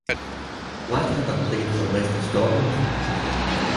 Blackadder played for West of Scotland.